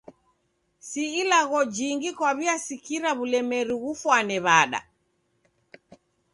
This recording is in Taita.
Si ilagho jingi kwaw'iasikira w'ulemeri ghugfwane w'ada.